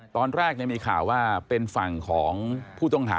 ตอนแรกมีข่าวว่าเป็นฝั่งของผู้ต้องหา